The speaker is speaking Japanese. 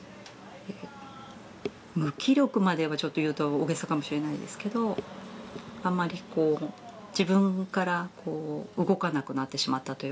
無気力まではちょっと言うと大げさかもしれないですけどあまり自分から動かなくなってしまったというか。